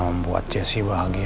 membuat jesse bahagia